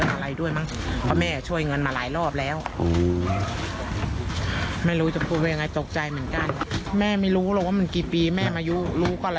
หลายครั้งอยู่